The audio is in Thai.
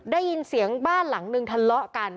ได้ยินเสียงบ้านหลังนึงทะเลาะกัน